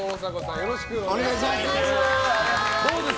よろしくお願いします。